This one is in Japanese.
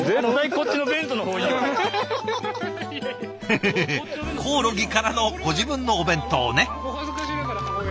フフフコオロギからのご自分のお弁当ね。